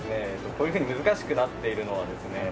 こういうふうに難しくなっているのはですね